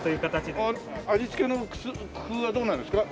味付けの工夫はどうなんですか？